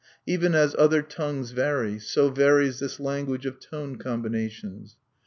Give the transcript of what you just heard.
Even as other tongues vary, so varies this language of tone combinations.